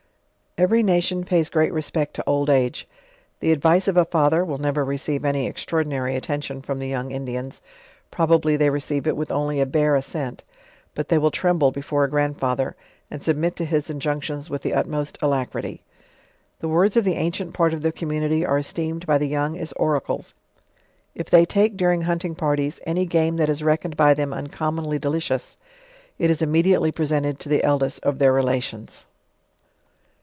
Every nation pays great respect to old age. The advice LEWIS AND CLARKE. 61 of a father will never receive any extraordinary attention from the young Indians; probably they receive it with only a bare assent; but they will tremble before a grandfather, and submit to his injunctions with the utmost alacrity. The words of the ancient part of the community are esteemed by the young as orr.cles. If they take during hunting par ties, any game that is reckoned, by them uncommonly deli cious, it ia immediately presented to tke eldest of their rela tions.